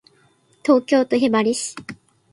東京都雲雀市